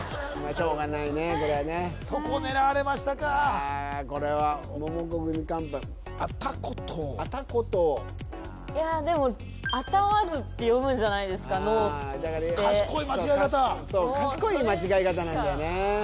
しょうがないねこれはねそこを狙われましたかこれはモモコグミカンパニーあたことうあたことうでも「能わず」って読むじゃないですか能って賢い間違え方賢い間違え方なんだよね